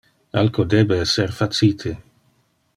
Alco debe esser facite.